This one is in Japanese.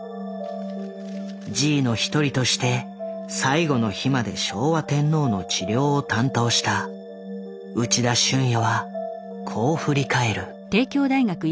侍医の一人として最後の日まで昭和天皇の治療を担当した内田俊也はこう振り返る。